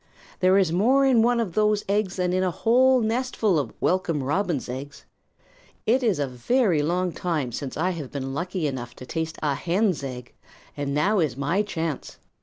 "There is more in one of those eggs than in a whole nestful of Welcome Robin's eggs. It is a very long time since I have been lucky enough to taste a hen's egg, and now is my chance.